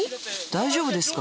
大丈夫ですか？